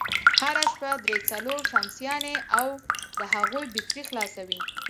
هره شپه درې، څلور شمسيانې او د هغوی بېټرۍ خلاصوي،